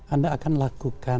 anda akan lakukan